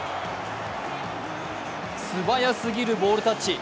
素早すぎるボールタッチ。